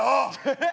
えっ！